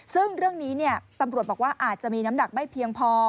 ซึ่งเรื่องนี้ตำรวจบอกว่าอาจจะมีน้ำหนักไม่เพียงพอ